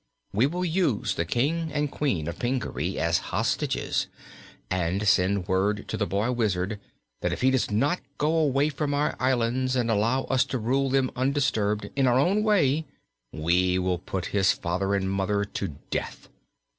We will use the King and Queen of Pingaree as hostages, and send word to the boy wizard that if he does not go away from our islands and allow us to rule them undisturbed, in our own way, we will put his father and mother to death.